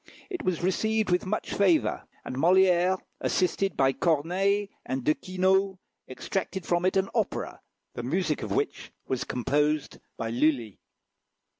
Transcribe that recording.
It was received with much favour, and Molière, assisted by Corneille and De Quinault, extracted from it an opera, the music of which was composed by Lulli.